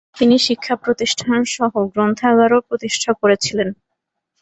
তিনি শিক্ষা প্রতিষ্ঠানসহ, গ্রন্থাগারও প্রতিষ্ঠা করেছিলেন।